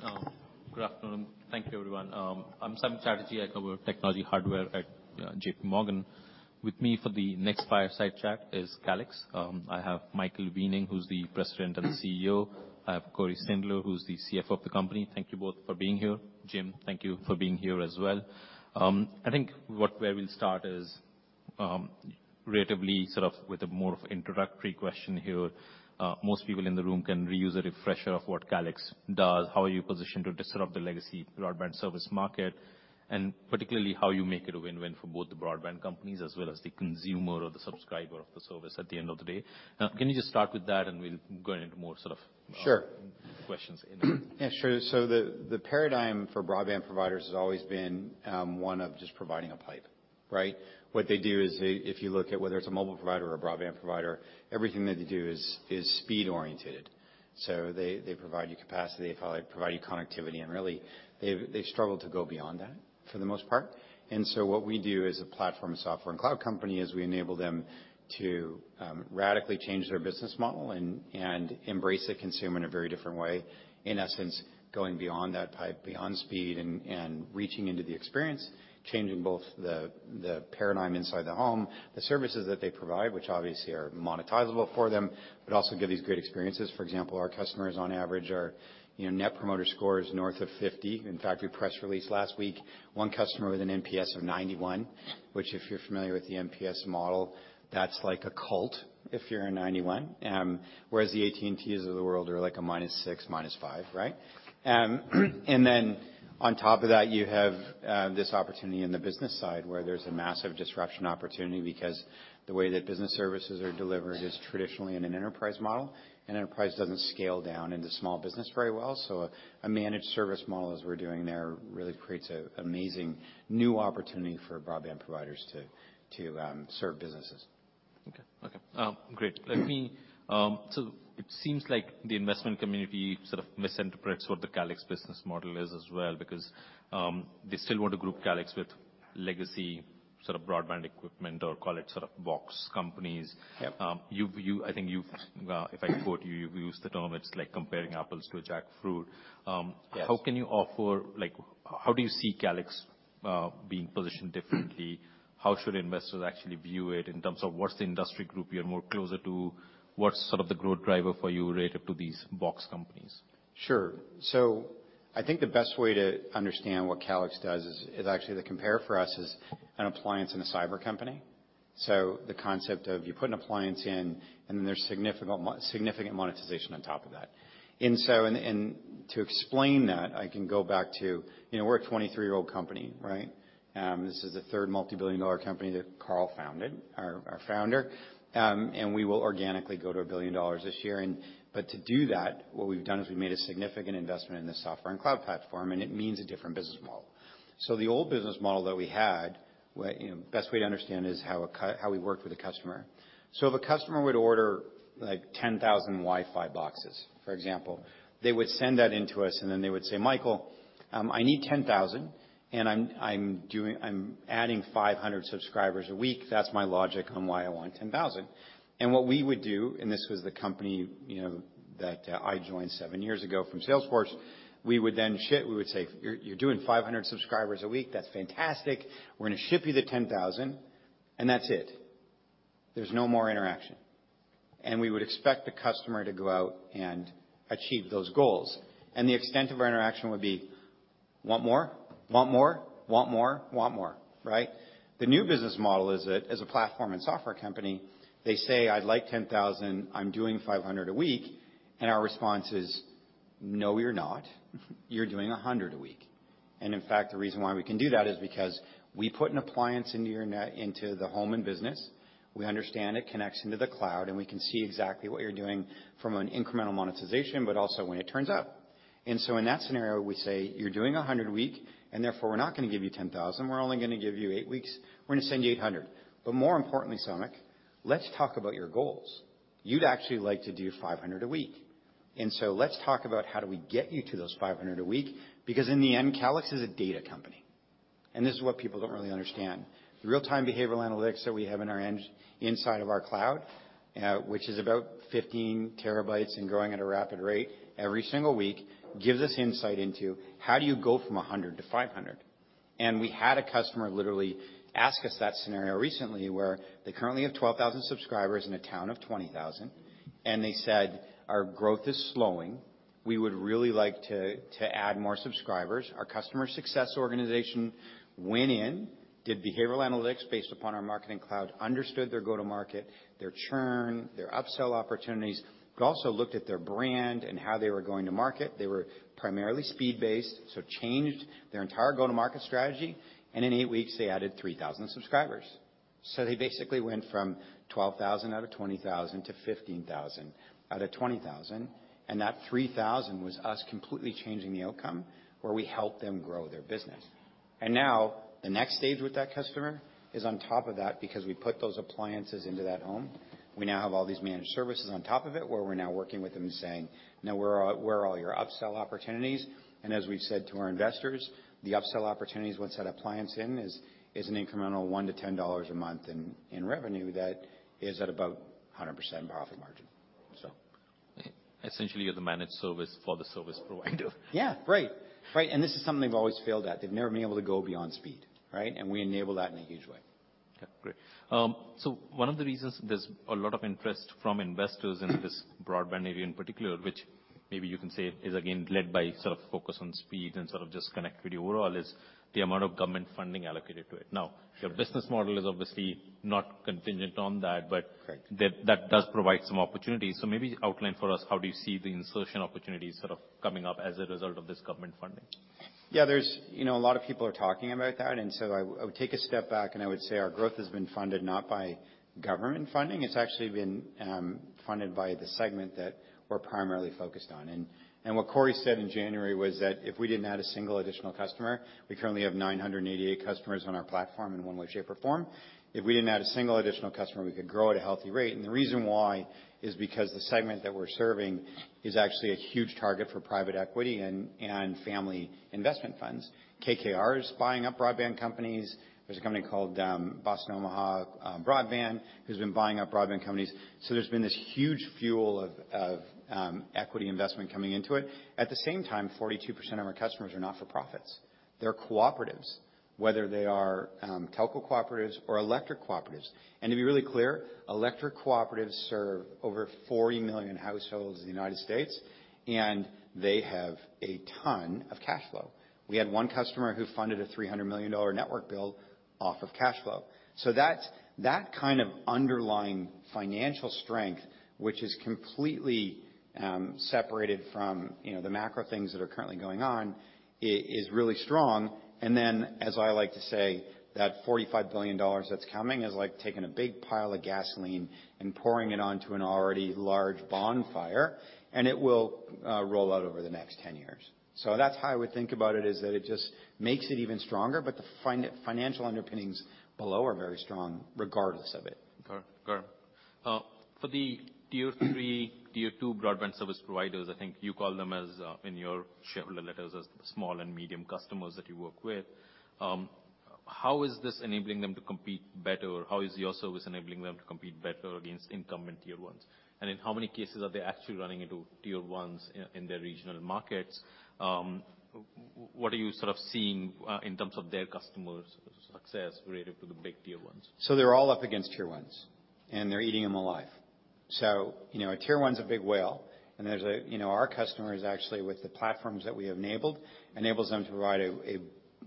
Great. Good afternoon. Thank you, everyone. I'm Sam Chatterjee. I cover technology hardware at JPMorgan. With me for the next fireside chat is Calix. I have Michael Weening, who's the President and CEO. I have Cory Sindelar, who's the CFO of the company. Thank you both for being here. Jim, thank you for being here as well. I think where we'll start is relatively sort of with a more of introductory question here. Most people in the room can reuse a refresher of what Calix does. How are you positioned to disrupt the legacy broadband service market, and particularly how you make it a win-win for both the broadband companies as well as the consumer or the subscriber of the service at the end of the day? Can you just start with that, and we'll go into more sort of. Sure. Questions. Yeah, sure. The paradigm for broadband providers has always been one of just providing a pipe, right? What they do is if you look at whether it's a mobile provider or a broadband provider, everything that they do is speed-oriented. They provide you capacity, they provide you connectivity, and really they struggle to go beyond that for the most part. What we do as a platform software and cloud company is we enable them to radically change their business model and embrace the consumer in a very different way. In essence, going beyond that pipe, beyond speed and reaching into the experience, changing both the paradigm inside the home, the services that they provide, which obviously are monetizable for them, but also give these great experiences. For example, our customers on average are, you know, Net Promoter Score is north of 50. In fact, we pressed release last week one customer with an NPS of 91, which if you're familiar with the NPS model, that's like a cult if you're in 91. Whereas the AT&Ts of the world are like a -6, -5, right? Then on top of that, you have this opportunity in the business side where there's a massive disruption opportunity because the way that business services are delivered is traditionally in an enterprise model, and enterprise doesn't scale down into small business very well. A managed service model, as we're doing there, really creates a amazing new opportunity for broadband providers to serve businesses. Okay. Okay. Great. Let me. It seems like the investment community sort of misinterprets what the Calix business model is as well because they still want to group Calix with legacy sort of broadband equipment or call it sort of box companies. Yep. I think you've, if I quote you've used the term, it's like comparing apples to a jackfruit. Yes. Like, how do you see Calix being positioned differently? How should investors actually view it in terms of what's the industry group you're more closer to? What's sort of the growth driver for you related to these box companies? Sure. I think the best way to understand what Calix does is actually the compare for us is an appliance in a cyber company. The concept of you put an appliance in, and then there's significant monetization on top of that. To explain that, I can go back to, you know, we're a 23-year-old company, right? This is the third multi-billion dollar company that Carl founded, our founder. We will organically go to $1 billion this year but to do that, what we've done is we've made a significant investment in the software and cloud platform, and it means a different business model. The old business model that we had, you know, best way to understand is how we worked with the customer. If a customer would order like 10,000 Wi-Fi boxes, for example, they would send that into us, then they would say, "Michael, I need 10,000, and I'm adding 500 subscribers a week. That's my logic on why I want 10,000." What we would do, and this was the company, you know, that I joined seven years ago from Salesforce, we would then ship. We would say, "You're doing 500 subscribers a week. That's fantastic. We're gonna ship you the 10,000," and that's it. There's no more interaction, we would expect the customer to go out and achieve those goals. The extent of our interaction would be, "Want more? Want more? Want more? Want more?" Right? The new business model is that as a platform and software company, they say, "I'd like 10,000. I'm doing 500 a week." Our response is, "No, you're not. You're doing 100 a week." In fact, the reason why we can do that is because we put an appliance into your net, into the home and business. We understand it connects into the cloud, and we can see exactly what you're doing from an incremental monetization, but also when it turns up. In that scenario, we say, "You're doing 100 a week, and therefore we're not gonna give you 10,000. We're only gonna give you 8 weeks. We're gonna send you 800." More importantly, Sonic, let's talk about your goals. You'd actually like to do 500 a week. Let's talk about how do we get you to those 500 a week, because in the end, Calix is a data company. This is what people don't really understand. The real-time behavioral analytics that we have inside of our cloud, which is about 15 TB and growing at a rapid rate every single week, gives us insight into how do you go from 100 to 500. We had a customer literally ask us that scenario recently, where they currently have 12,000 subscribers in a town of 20,000, and they said, "Our growth is slowing. We would really like to add more subscribers." Our customer success organization went in, did behavioral analytics based upon our Marketing Cloud, understood their go-to-market, their churn, their upsell opportunities. We also looked at their brand and how they were going to market. They were primarily speed-based, so changed their entire go-to-market strategy, and in eight weeks, they added 3,000 subscribers. They basically went from 12,000 out of 20,000 to 15,000 out of 20,000. That 3,000 was us completely changing the outcome, where we helped them grow their business. Now the next stage with that customer is on top of that because we put those appliances into that home. We now have all these managed services on top of it, where we're now working with them saying, "Now where are all your upsell opportunities?" As we've said to our investors, the upsell opportunities once that appliance in is an incremental $1-$10 a month in revenue that is at about a 100% profit margin. Essentially, you're the managed service for the service provider. Yeah, right. Right. This is something they've always failed at. They've never been able to go beyond speed, right? We enable that in a huge way. Yeah. Great. One of the reasons there's a lot of interest from investors in this broadband area in particular, which maybe you can say is again led by sort of focus on speed and sort of just connectivity overall, is the amount of government funding allocated to it. Sure. Your business model is obviously not contingent on that. Right. That does provide some opportunities. Maybe outline for us, how do you see the insertion opportunities sort of coming up as a result of this government funding? Yeah, there's, you know, a lot of people are talking about that. I would take a step back and I would say our growth has been funded not by government funding. It's actually been funded by the segment that we're primarily focused on. What Cory said in January was that if we didn't add a single additional customer, we currently have 988 customers on our platform in one way, shape, or form. If we didn't add a single additional customer, we could grow at a healthy rate. The reason why is because the segment that we're serving is actually a huge target for private equity and family investment funds. KKR is buying up broadband companies. There's a company called Boston Omaha Broadband, who's been buying up broadband companies. There's been this huge fuel of equity investment coming into it. At the same time, 42% of our customers are not-for-profits. They're cooperatives, whether they are telco cooperatives or electric cooperatives. To be really clear, electric cooperatives serve over 40 million households in the United States, and they have a ton of cash flow. We had one customer who funded a $300 million network build off of cash flow. That kind of underlying financial strength, which is completely separated from, you know, the macro things that are currently going on, is really strong. As I like to say, that $45 billion that's coming is like taking a big pile of gasoline and pouring it onto an already large bonfire, and it will roll out over the next 10 years. That's how I would think about it, is that it just makes it even stronger, but the financial underpinnings below are very strong regardless of it. Got it. Got it. For the tier 3, tier 2 broadband service providers, I think you call them as in your shareholder letters as the small and medium customers that you work with, how is this enabling them to compete better, or how is your service enabling them to compete better against incumbent tier 1s? In how many cases are they actually running into tier 1s in their regional markets? What are you sort of seeing in terms of their customers' success related to the big tier 1s? They're all up against tier 1s, and they're eating them alive. You know, a tier 1's a big whale. You know, our customers actually with the platforms that we enabled, enables them to provide a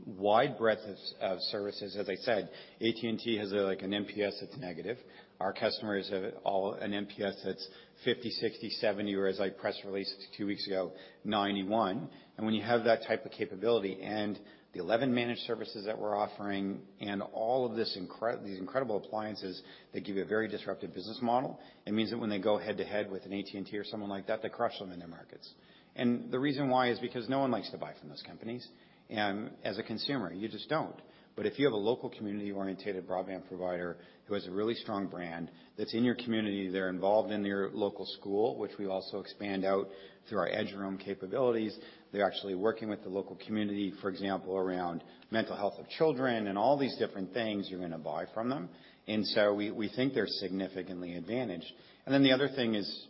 wide breadth of services. As I said, AT&T has like an NPS that's negative. Our customers have all an NPS that's 50, 60, 70, or as I press released two weeks ago, 91. When you have that type of capability and the 11 managed services that we're offering and all of these incredible appliances that give you a very disruptive business model, it means that when they go head to head with an AT&T or someone like that, they crush them in their markets. The reason why is because no one likes to buy from those companies. As a consumer, you just don't. If you have a local community-orientated broadband provider who has a really strong brand, that's in your community, they're involved in your local school, which we also expand out through our EDGE Room capabilities. They're actually working with the local community, for example, around mental health of children and all these different things, you're gonna buy from them. We, we think they're significantly advantaged. Then the other thing is,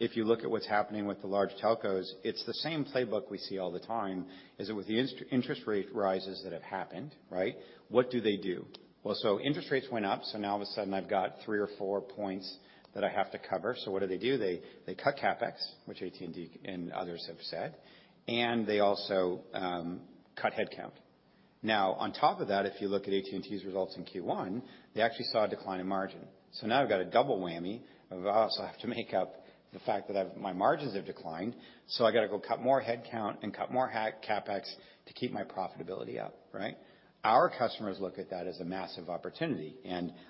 if you look at what's happening with the large telcos, it's the same playbook we see all the time is that with the interest rate rises that have happened, right? What do they do? Well, interest rates went up, now all of a sudden I've got three or four points that I have to cover. What do they do? They cut CapEx, which AT&T and others have said, and they also cut headcount. On top of that, if you look at AT&T's results in Q1, they actually saw a decline in margin. Now I've got a double whammy of I also have to make up the fact that my margins have declined, so I gotta go cut more headcount and cut more CapEx to keep my profitability up, right? Our customers look at that as a massive opportunity.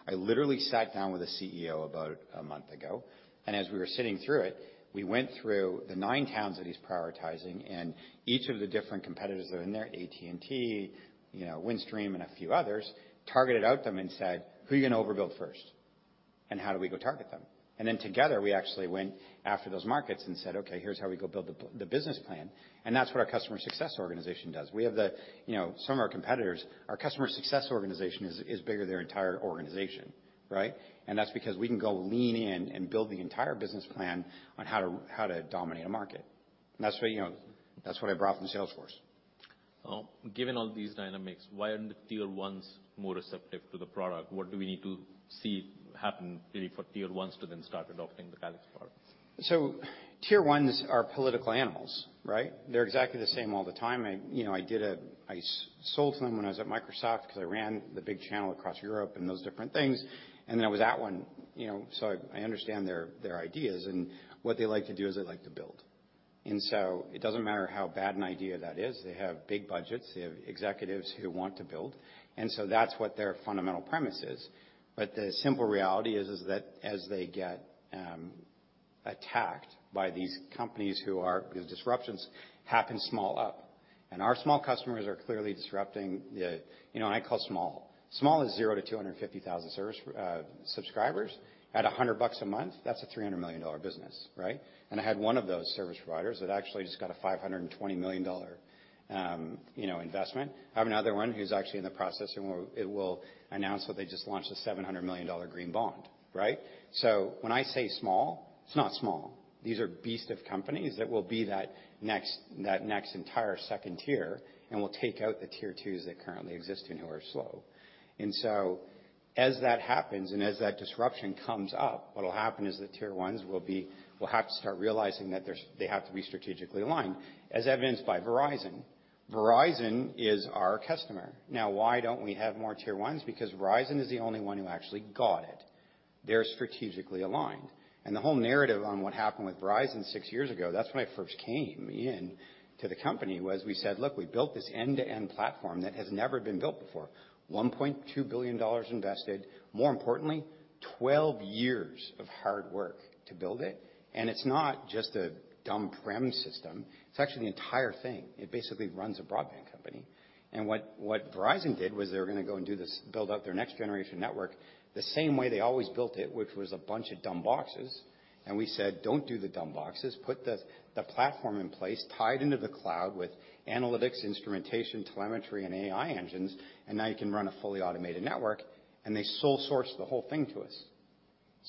I literally sat down with a CEO about a month ago, and as we were sitting through it, we went through the nine towns that he's prioritizing and each of the different competitors that are in there, AT&T, you know, Windstream and a few others, targeted out them and said, "Who are you gonna overbuild first? How do we go target them?" Then together, we actually went after those markets and said, "Okay, here's how we go build the business plan." That's what our customer success organization does. You know, some of our competitors, our customer success organization is bigger than their entire organization, right? That's because we can go lean in and build the entire business plan on how to, how to dominate a market. That's what, you know, that's what I brought from Salesforce. Given all these dynamics, why aren't the tier 1s more receptive to the product? What do we need to see happen really for tier 1s to then start adopting the Calix product? Tier 1s are political animals, right? They're exactly the same all the time. I, you know, I sold to them when I was at Microsoft 'cause I ran the big channel across Europe and those different things, I was at one, you know. I understand their ideas and what they like to do is they like to build. It doesn't matter how bad an idea that is, they have big budgets, they have executives who want to build. That's what their fundamental premise is. The simple reality is that as they get attacked by these companies. Because disruptions happen small up, our small customers are clearly disrupting. You know, I call small. Small is zero to 250,000 service subscribers at $100 a month. That's a $300 million business, right? I had one of those service providers that actually just got a $520 million, you know, investment. I have another one who's actually in the process and will announce that they just launched a $700 million green bond, right? When I say small, it's not small. These are beast of companies that will be that next entire second tier and will take out the tier 2s that currently exist and who are slow. As that happens and as that disruption comes up, what'll happen is the tier 1s will have to start realizing that they have to be strategically aligned, as evidenced by Verizon. Verizon is our customer. Why don't we have more tier 1s? Verizon is the only one who actually got it. They're strategically aligned. The whole narrative on what happened with Verizon six years ago, that's when I first came in to the company, was we said, "Look, we built this end-to-end platform that has never been built before." $1.2 billion invested. More importantly, 12 years of hard work to build it. It's not just a dumb prem system, it's actually the entire thing. It basically runs a broadband company. What Verizon did was they were gonna go and do this, build out their next generation network the same way they always built it, which was a bunch of dumb boxes. We said, "Don't do the dumb boxes, put the platform in place, tied into the cloud with analytics, instrumentation, telemetry, and AI engines, and now you can run a fully automated network." They sole sourced the whole thing to us.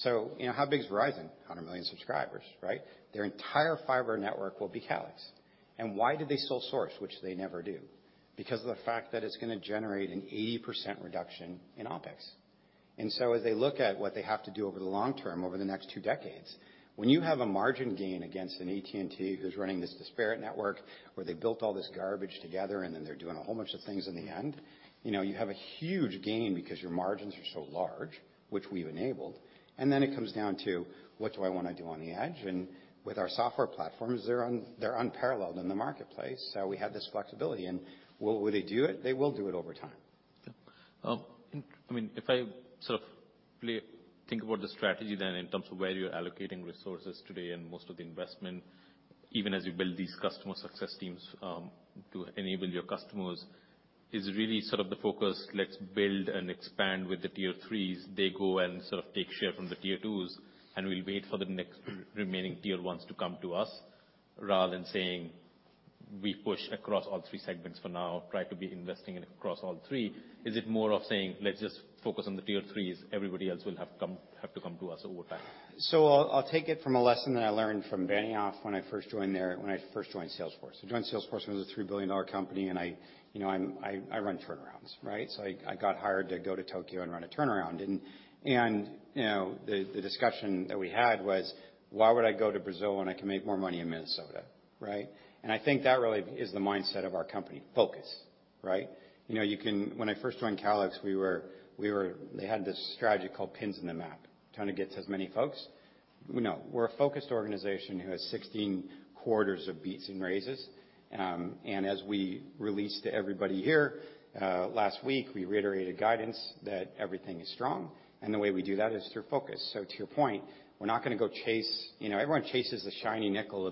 You know, how big is Verizon? 100 million subscribers, right? Their entire fiber network will be Calix. Why did they sole source, which they never do? Because of the fact that it's gonna generate an 80% reduction in OpEx. As they look at what they have to do over the long term, over the next 2 decades, when you have a margin gain against an AT&T who's running this disparate network, where they built all this garbage together, then they're doing a whole bunch of things in the end, you know, you have a huge gain because your margins are so large, which we've enabled. Then it comes down to, what do I wanna do on the EDGE? With our software platforms, they're unparalleled in the marketplace, so we have this flexibility. Will they do it? They will do it over time. I mean, if I sort of think about the strategy then in terms of where you're allocating resources today and most of the investment, even as you build these customer success teams, to enable your customers, is really sort of the focus, let's build and expand with the tier 3s. They go and sort of take share from the tier 2s, and we'll wait for the next remaining tier 1s to come to us rather than saying, we push across all three segments for now, try to be investing in across all three. Is it more of saying, "Let's just focus on the tier 3s, everybody else will have to come to us over time? I'll take it from a lesson that I learned from Benioff when I first joined there, when I first joined Salesforce. I joined Salesforce when it was a $3 billion company, you know, I run turnarounds, right? I got hired to go to Tokyo and run a turnaround. You know, the discussion that we had was, why would I go to Brazil when I can make more money in Minnesota, right? I think that really is the mindset of our company: focus, right? You know, when I first joined Calix, they had this strategy called pins in the map, trying to get to as many folks. No, we're a focused organization who has 16 quarters of beats and raises. As we released to everybody here last week, we reiterated guidance that everything is strong, and the way we do that is through focus. To your point, we're not gonna go chase. You know, everyone chases the shiny nickel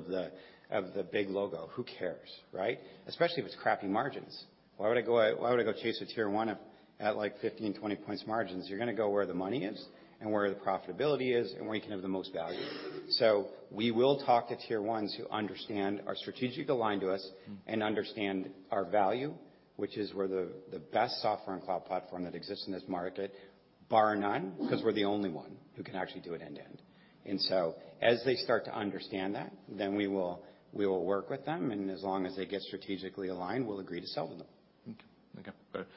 of the big logo. Who cares, right? Especially if it's crappy margins? Why would I go chase a tier 1 at like 15, 20 points margins? You're gonna go where the money is and where the profitability is and where you can have the most value. We will talk to tier 1s who understand, are strategically aligned to us, and understand our value, which is we're the best software and cloud platform that exists in this market, bar none, 'cause we're the only one who can actually do it end-to-end. As they start to understand that, then we will work with them, and as long as they get strategically aligned, we'll agree to sell to them. Okay. Okay, got it.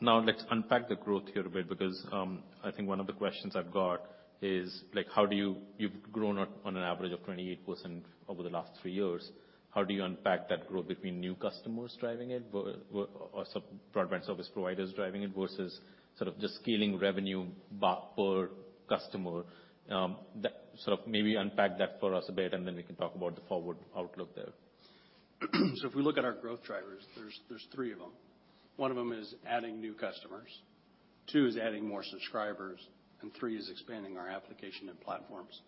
Now let's unpack the growth here a bit because I think one of the questions I've got is, like, You've grown at, on an average of 28% over the last three years. How do you unpack that growth between new customers driving it or broadband service providers driving it versus sort of just scaling revenue per customer? That sort of maybe unpack that for us a bit, and then we can talk about the forward outlook there. If we look at our growth drivers, there's three of them. One of them is adding new customers, two is adding more subscribers, and three is expanding our application and platforms.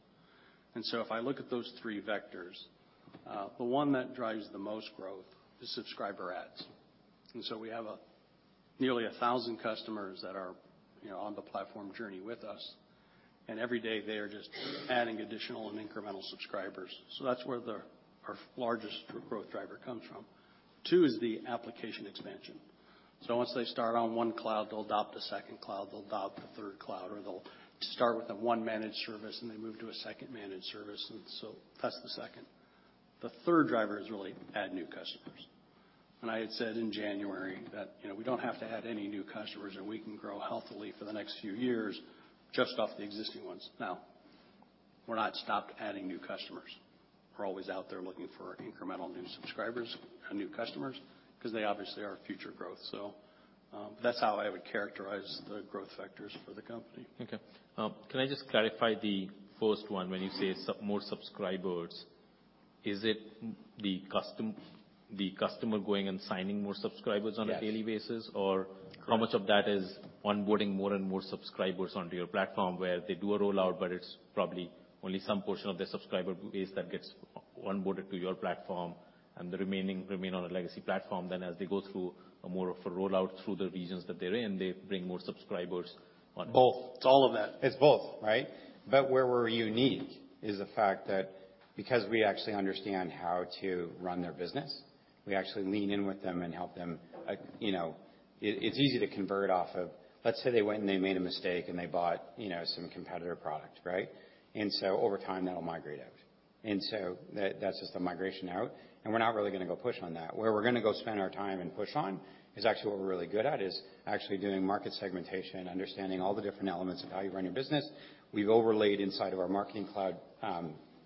If I look at those three vectors, the one that drives the most growth is subscriber adds. We have nearly 1,000 customers that are, you know, on the platform journey with us, and every day they are just adding additional and incremental subscribers. That's where the, our largest growth driver comes from. Two is the application expansion. Once they start on 1 cloud, they'll adopt a second cloud, they'll adopt a third cloud, or they'll start with a one managed service, and they move to a second managed service. That's the second. The third driver is really add new customers. I had said in January that, you know, we don't have to add any new customers, and we can grow healthily for the next few years just off the existing ones. We're not stopped adding new customers. We're always out there looking for incremental new subscribers, new customers 'cause they obviously are our future growth. That's how I would characterize the growth vectors for the company. Okay. Can I just clarify the first one when you say more subscribers? Is it the customer going and signing more subscribers? Yes. A daily basis. Right. How much of that is onboarding more and more subscribers onto your platform where they do a rollout, but it's probably only some portion of their subscriber base that gets onboarded to your platform and the remaining remain on a legacy platform. As they go through a more of a rollout through the regions that they're in, they bring more subscribers on board. Both. It's all of that. It's both, right? Where we're unique is the fact that because we actually understand how to run their business, we actually lean in with them and help them. You know, it's easy to convert off of. Let's say they went and they made a mistake and they bought, you know, some competitor product, right? Over time, that'll migrate out. That's just the migration out, and we're not really gonna go push on that. Where we're gonna go spend our time and push on is actually what we're really good at, is actually doing market segmentation, understanding all the different elements of how you run your business. We've overlaid inside of our Marketing Cloud,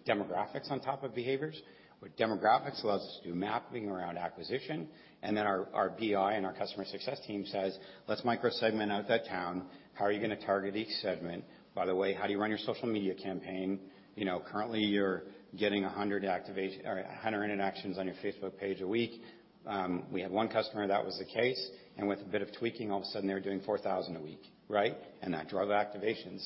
demographics on top of behaviors. With demographics allows us to do mapping around acquisition, and then our BI and our customer success team says, "Let's micro segment out that town. How are you gonna target each segment? By the way, how do you run your social media campaign? You know, currently you're getting 100 interactions on your Facebook page a week." We had one customer, that was the case, and with a bit of tweaking, all of a sudden they're doing 4,000 a week, right? That drove activation.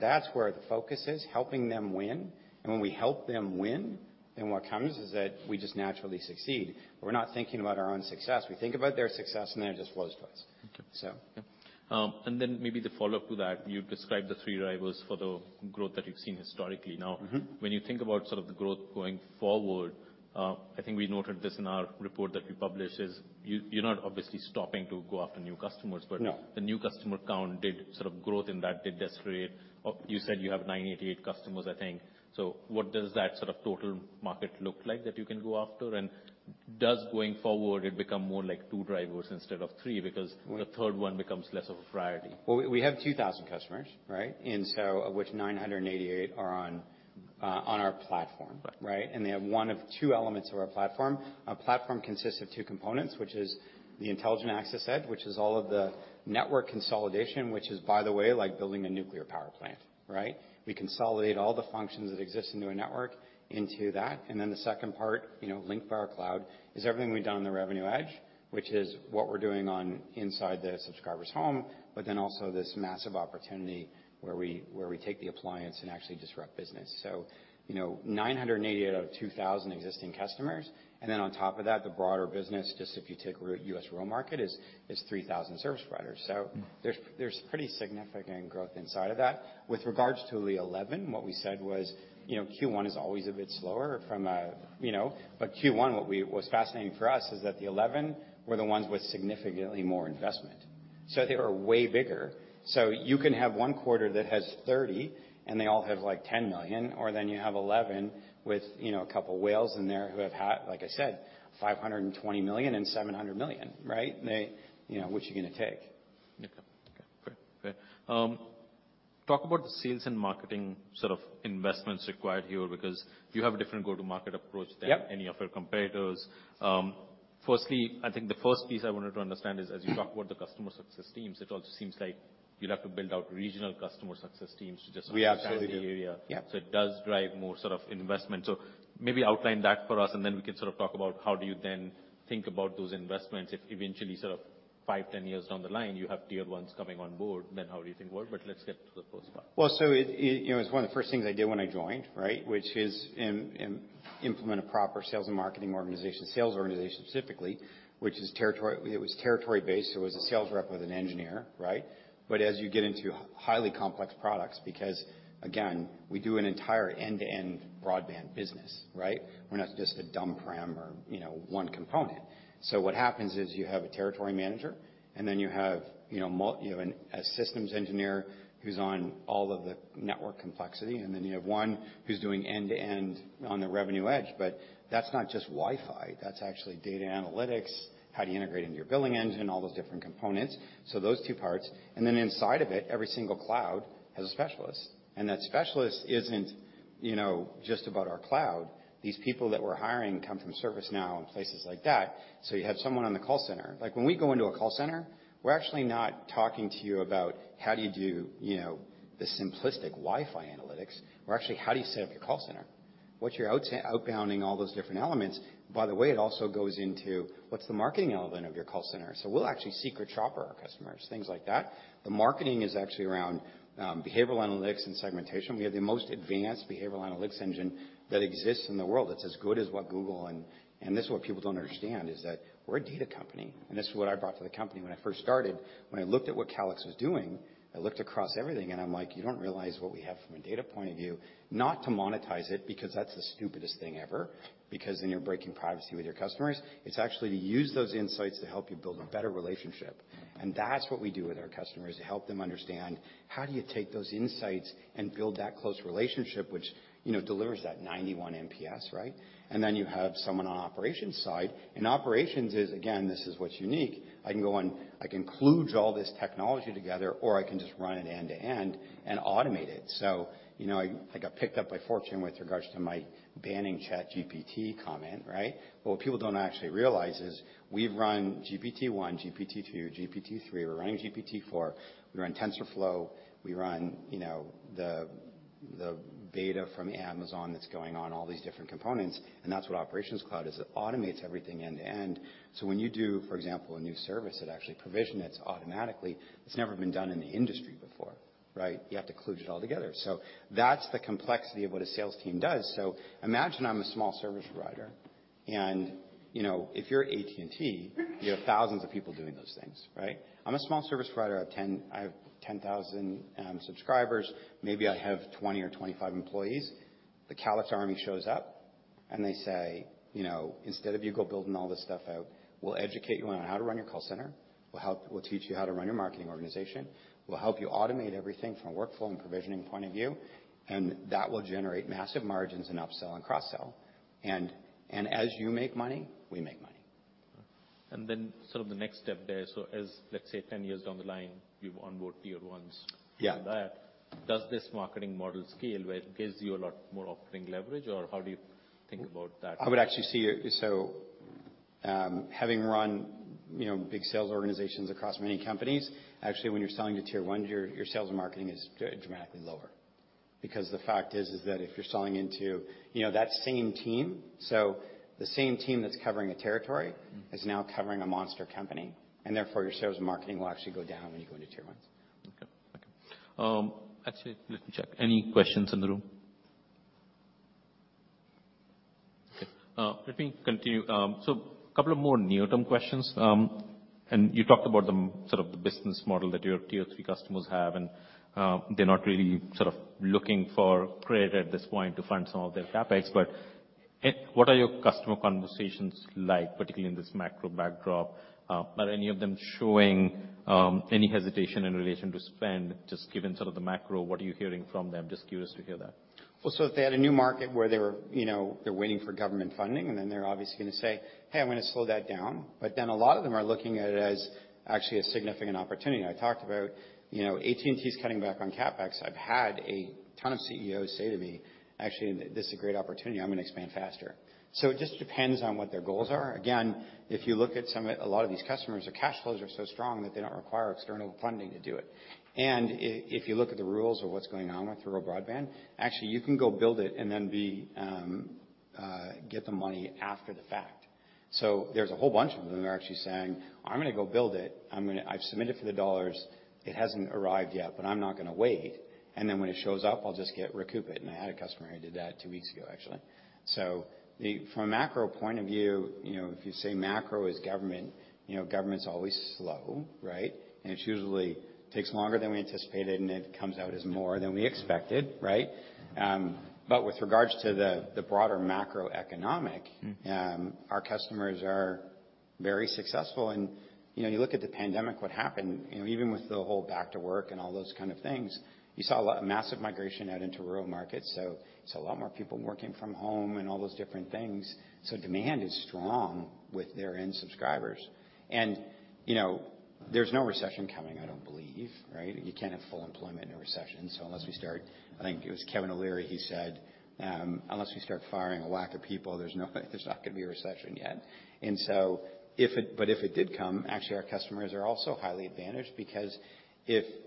That's where the focus is, helping them win. When we help them win, then what comes is that we just naturally succeed. We're not thinking about our own success. We think about their success, and then it just flows to us. Okay. So. Yeah. Then maybe the follow-up to that, you described the three drivers for the growth that you've seen historically. Mm-hmm. When you think about sort of the growth going forward, I think we noted this in our report that we published is you're not obviously stopping to go after new customers. No. The new customer count did sort of growth in that industry. You said you have 988 customers, I think. What does that sort of total market look like that you can go after? Does going forward it become more like two drivers instead of three because. Well. The third one becomes less of a priority. Well, we have 2,000 customers, right? Of which 988 are on our platform. Right. Right? They have one of two elements of our platform. Our platform consists of two components, which is the Intelligent Access EDGE, which is all of the network consolidation, which is, by the way, like building a nuclear power plant, right? We consolidate all the functions that exist into a network into that. The second part, you know, link of our Cloud is everything we've done on the Revenue EDGE, which is what we're doing on inside the subscriber's home, but then also this massive opportunity where we, where we take the appliance and actually disrupt business. You know, 988 out of 2,000 existing customers. On top of that, the broader business, just if you take U.S. rural market, is 3,000 service providers. Mm-hmm. There's pretty significant growth inside of that. With regards to the 11, what we said was, you know, Q1 is always a bit slower from a, you know. Q1, what's fascinating for us is that the 11 were the ones with significantly more investment. They were way bigger. You can have one quarter that has 30, and they all have like $10 million, or you have 11 with, you know, a couple whales in there who have had, like I said, $520 million and $700 million, right? You know, which are you gonna take? Okay. Great. Great. Talk about the sales and marketing sort of investments required here because you have a different go-to-market approach. Yep. Any of your competitors. Firstly, I think the first piece I wanted to understand is as you talk about the customer success teams, it also seems like you'd have to build out regional customer success teams. We absolutely do. The area. Yep. It does drive more sort of investment. Maybe outline that for us, and then we can sort of talk about how do you then think about those investments if eventually sort of five, 10 years down the line, you have tier 1s coming on board, then how would you think of that? Let's get to the first part. You know, it's one of the first things I did when I joined, right? Which is implement a proper sales and marketing organization. Sales organization specifically, which is territory-based, so it was a sales rep with an engineer, right? As you get into highly complex products, because again, we do an entire end-to-end broadband business, right? We're not just a dumb prem or, you know, one component. What happens is you have a territory manager, and then you have, you know, a systems engineer who's on all of the network complexity, and then you have one who's doing end-to-end on the Revenue EDGE. That's not just Wi-Fi, that's actually data analytics, how do you integrate into your billing engine, all those different components. Those two parts. Inside of it, every single cloud has a specialist. That specialist isn't, you know, just about our cloud. These people that we're hiring come from ServiceNow and places like that. You have someone on the call center. Like, when we go into a call center, we're actually not talking to you about how do you do, you know, the simplistic Wi-Fi analytics. We're actually, how do you set up your call center? What's your outbounding all those different elements. By the way, it also goes into what's the marketing element of your call center. We'll actually secret shopper our customers, things like that. The marketing is actually around behavioral analytics and segmentation. We have the most advanced behavioral analytics engine that exists in the world. It's as good as what Google. This is what people don't understand, is that we're a data company. This is what I brought to the company when I first started. When I looked at what Calix was doing, I looked across everything and I'm like, "You don't realize what we have from a data point of view." Not to monetize it, because that's the stupidest thing ever, because then you're breaking privacy with your customers. It's actually to use those insights to help you build a better relationship. That's what we do with our customers, to help them understand, how do you take those insights and build that close relationship, which, you know, delivers that 91 NPS, right? You have someone on operations side. Operations is, again, this is what's unique. I can go and I can kludge all this technology together, or I can just run it end-to-end and automate it. You know, I got picked up by Fortune with regards to my banning ChatGPT comment, right? What people don't actually realize is we've run GPT-1, GPT-2, GPT-3, we're running GPT-4, we run TensorFlow, we run, you know, the beta from Amazon that's going on, all these different components. That's what Operations Cloud is. It automates everything end-to-end. When you do, for example, a new service, it actually provision it automatically. It's never been done in the industry before, right? You have to kludge it all together. That's the complexity of what a sales team does. Imagine I'm a small service provider and, you know, if you're AT&T, you have thousands of people doing those things, right? I'm a small service provider. I have 10,000 subscribers. Maybe I have 20 or 25 employees. The Calix army shows up. They say, you know, "Instead of you go building all this stuff out, we'll educate you on how to run your call center, we'll teach you how to run your marketing organization. We'll help you automate everything from a workflow and provisioning point of view, and that will generate massive margins in upsell and cross-sell. As you make money, we make money. Sort of the next step there, so as let's say 10 years down the line, you've on-boarded your ones. Yeah. Does this marketing model scale where it gives you a lot more operating leverage, or how do you think about that? I would actually see it. Having run, you know, big sales organizations across many companies, actually, when you're selling to tier 1, your sales and marketing is dramatically lower. Because the fact is that if you're selling into, you know, that same team, so the same team that's covering a territory. Mm. Is now covering a monster company. Therefore, your sales and marketing will actually go down when you go into tier 1. Okay. Okay. Actually, let me check. Any questions in the room? Okay, let me continue. Couple of more near-term questions. You talked about the sort of the business model that your tier 3 customers have, and, they're not really sort of looking for credit at this point to fund some of their CapEx. What are your customer conversations like, particularly in this macro backdrop? Are any of them showing any hesitation in relation to spend, just given sort of the macro, what are you hearing from them? Just curious to hear that. If they had a new market where they were, you know, they're waiting for government funding, they're obviously gonna say, "Hey, I'm gonna slow that down." A lot of them are looking at it as actually a significant opportunity. I talked about, you know, AT&T's cutting back on CapEx. I've had a ton of CEOs say to me, "Actually, this is a great opportunity. I'm gonna expand faster." It just depends on what their goals are. Again, if you look at a lot of these customers, their cash flows are so strong that they don't require external funding to do it. If you look at the rules of what's going on with rural broadband, actually you can go build it and then be, get the money after the fact. There's a whole bunch of them that are actually saying, "I'm gonna go build it. I've submitted for the dollars. It hasn't arrived yet, but I'm not gonna wait. Then when it shows up, I'll just get recoup it." I had a customer who did that two weeks ago, actually. From a macro point of view, you know, if you say macro is government, you know, government's always slow, right? It usually takes longer than we anticipated, and it comes out as more than we expected, right? With regards to the broader macroeconomic- Mm. Our customers are very successful. You know, you look at the pandemic, what happened, you know, even with the whole back to work and all those kind of things, you saw massive migration out into rural markets. It's a lot more people working from home and all those different things. Demand is strong with their end subscribers. You know, there's no recession coming, I don't believe, right? You can't have full employment in a recession. Unless we start, I think it was Kevin O'Leary, he said, "Unless we start firing a whack of people, there's not gonna be a recession yet." If it did come, actually, our customers are also highly advantaged, because if you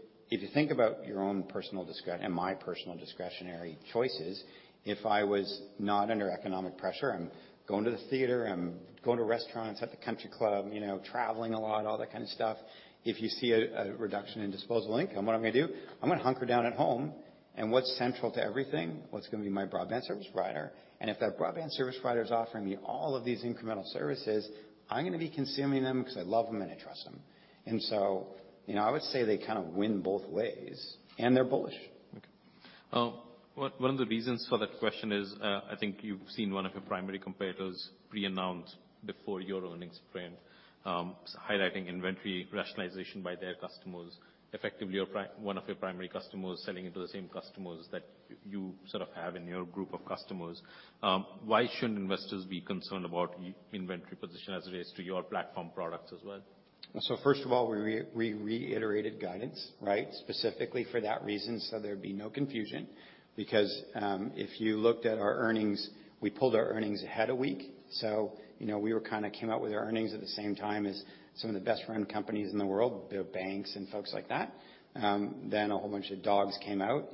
think about your own personal and my personal discretionary choices, if I was not under economic pressure, I'm going to the theater, I'm going to restaurants, at the country club, you know, traveling a lot, all that kind of stuff. If you see a reduction in disposal income, what I'm gonna do, I'm gonna hunker down at home and what's central to everything? What's gonna be my broadband service provider. If that broadband service provider is offering me all of these incremental services, I'm gonna be consuming them 'cause I love them and I trust them. you know, I would say they kinda win both ways, and they're bullish. Okay. One of the reasons for that question is, I think you've seen one of your primary competitors pre-announce before your earnings print, highlighting inventory rationalization by their customers. Effectively, one of your primary customers selling into the same customers that you sort of have in your group of customers. Why shouldn't investors be concerned about inventory position as it is to your platform products as well? First of all, we reiterated guidance, right? Specifically for that reason, so there'd be no confusion. If you looked at our earnings, we pulled our earnings ahead a week. You know, we were kinda came out with our earnings at the same time as some of the best-run companies in the world, the banks and folks like that. A whole bunch of dogs came out,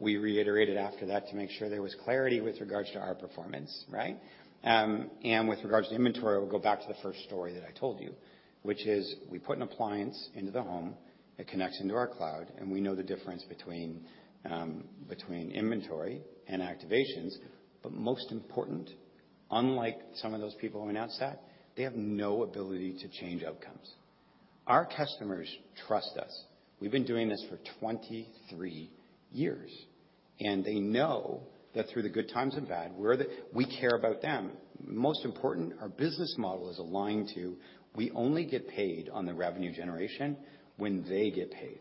we reiterated after that to make sure there was clarity with regards to our performance, right? With regards to inventory, I will go back to the first story that I told you, which is we put an appliance into the home that connects into our cloud, and we know the difference between inventory and activations. Most important, unlike some of those people who announced that, they have no ability to change outcomes. Our customers trust us. We've been doing this for 23 years, they know that through the good times and bad, we care about them. Most important, our business model is aligned to, we only get paid on the revenue generation when they get paid.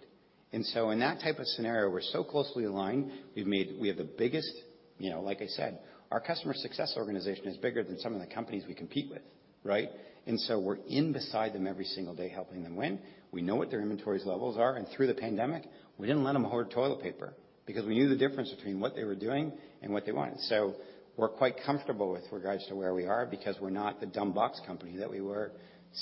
In that type of scenario, we're so closely aligned, we have the biggest, you know, like I said, our customer success organization is bigger than some of the companies we compete with, right? We're in beside them every single day, helping them win. We know what their inventories levels are. Through the pandemic, we didn't let them hoard toilet paper because we knew the difference between what they were doing and what they wanted. We're quite comfortable with regards to where we are because we're not the dumb box company that we were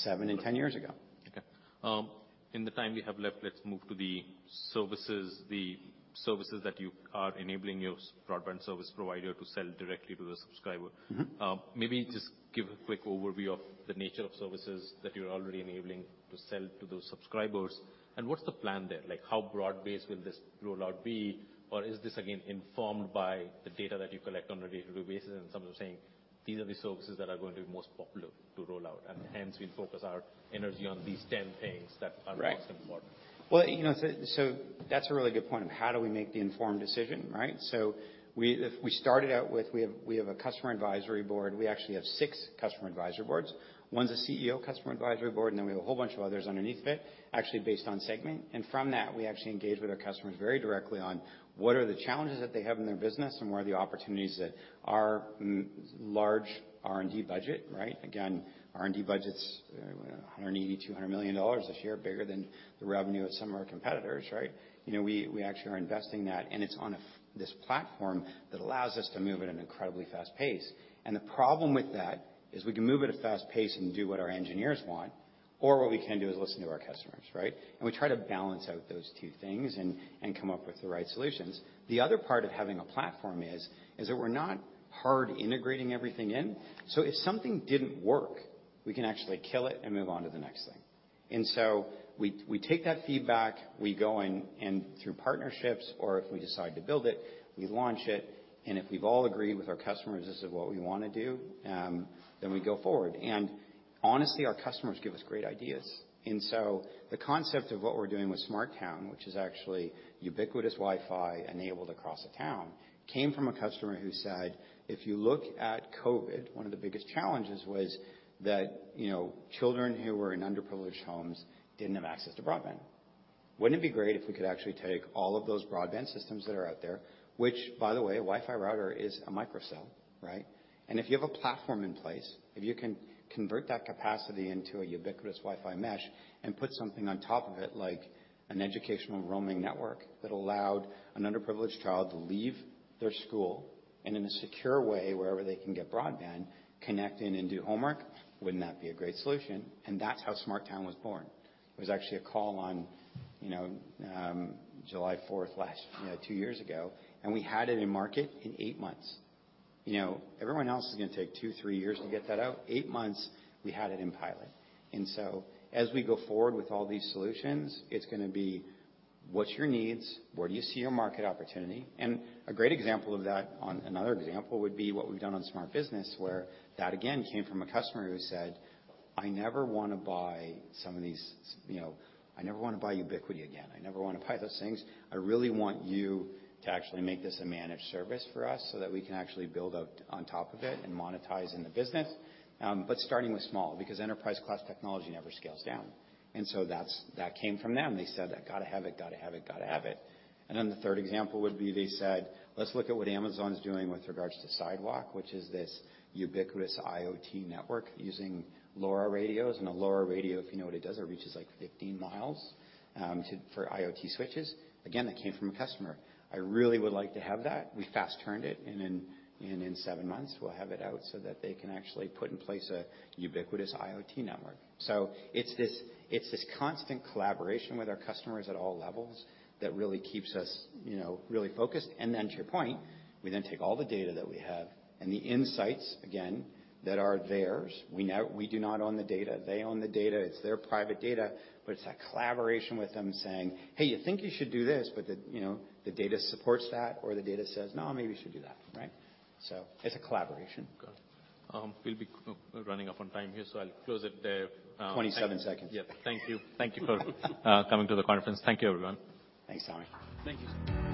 seven and 10 years ago. Okay. In the time we have left, let's move to the services. The services that you are enabling your broadband service provider to sell directly to the subscriber. Mm-hmm. Maybe just give a quick overview of the nature of services that you're already enabling to sell to those subscribers. What's the plan there? Like, how broad-based will this rollout be? Is this again informed by the data that you collect on a day-to-day basis, and some are saying. These are the services that are going to be most popular to roll out. Mm-hmm. Hence we'll focus our energy on these 10 things that are. Right. Most important. Well, you know, that's a really good point. How do we make the informed decision, right? If we started out with we have a Customer Advisory Board. We actually have six Customer Advisory Boards. One's a CEO Customer Advisory Board, then we have a whole bunch of others underneath it, actually based on segment. From that, we actually engage with our customers very directly on what are the challenges that they have in their business and what are the opportunities that our large R&D budget, right? Again, R&D budget's a $180 million-$200 million a year, bigger than the revenue of some of our competitors, right? You know, we actually are investing that, and it's on this platform that allows us to move at an incredibly fast pace. The problem with that is we can move at a fast pace and do what our engineers want or what we can do is listen to our customers, right? We try to balance out those two things and come up with the right solutions. The other part of having a platform is that we're not hard integrating everything in. If something didn't work, we can actually kill it and move on to the next thing. We take that feedback, we go in and through partnerships, or if we decide to build it, we launch it, and if we've all agreed with our customers, this is what we wanna do, then we go forward. Honestly, our customers give us great ideas. The concept of what we're doing with SmartTown, which is actually ubiquitous Wi-Fi enabled across a town, came from a customer who said, "If you look at COVID, one of the biggest challenges was that, you know, children who were in underprivileged homes didn't have access to broadband. Wouldn't it be great if we could actually take all of those broadband systems that are out there?" By the way, a Wi-Fi router is a microcell, right? If you have a platform in place, if you can convert that capacity into a ubiquitous Wi-Fi mesh and put something on top of it, like an educational roaming network that allowed an underprivileged child to leave their school and in a secure way, wherever they can get broadband, connect in and do homework, wouldn't that be a great solution? That's how SmartTown was born. It was actually a call on, you know, July fourth, last, you know, two years ago, and we had it in market in eight months. You know, everyone else is gonna take two or three years to get that out. Eight months, we had it in pilot. As we go forward with all these solutions, it's gonna be what's your needs? Where do you see your market opportunity? A great example of that. Another example would be what we've done on SmartBiz, where that again, came from a customer who said, "I never wanna buy some of these. I never wanna buy Ubiquiti again. I never wanna buy those things. I really want you to actually make this a managed service for us so that we can actually build out on top of it and monetize in the business." Starting with small, because enterprise class technology never scales down. That came from them. They said that, "Gotta have it, gotta have it, gotta have it." The third example would be they said, "Let's look at what Amazon's doing with regards to Sidewalk," which is this ubiquitous IoT network using LoRa radios. A LoRa radio, if you know what it does, it reaches like 15 mi for IoT switches. Again, that came from a customer. "I really would like to have that." We fast turned it and in seven months we'll have it out so that they can actually put in place a ubiquitous IoT network. It's this constant collaboration with our customers at all levels that really keeps us, you know, really focused. To your point, we then take all the data that we have and the insights, again, that are theirs. We do not own the data. They own the data. It's their private data. It's that collaboration with them saying, "Hey, you think you should do this," but the, you know, the data supports that or the data says, "No, maybe we should do that." Right? It's a collaboration. Got it. We'll be running up on time here, so I'll close it there. 27 seconds. Yeah. Thank you. Thank you for coming to the conference. Thank you, everyone. Thanks, Sami. Thank you.